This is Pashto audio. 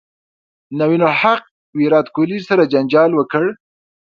نوین الحق ویرات کوهلي سره جنجال وکړ